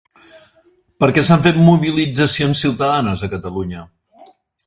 Per què s'han fet mobilitzacions ciutadanes a Catalunya?